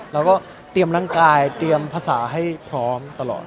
เราก็เตรียมร่างกายเตรียมภาษาให้พร้อมตลอด